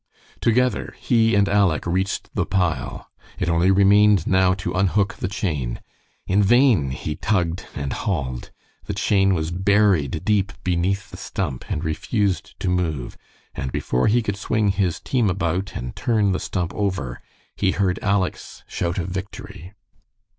Together he and Aleck reached the pile. It only remained now to unhook the chain. In vain he tugged and hauled. The chain was buried deep beneath the stump and refused to move, and before he could swing his team about and turn the stump over, he heard Aleck's shout of victory.